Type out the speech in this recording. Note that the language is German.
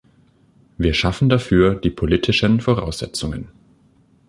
Wir schaffen dafür die politischen Voraussetzungen.